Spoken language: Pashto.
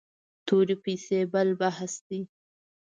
تورې پیسې بل بحث دی.